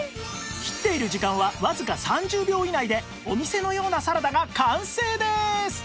切っている時間はわずか３０秒以内でお店のようなサラダが完成です